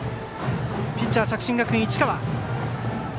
ピッチャー、作新学院の市川。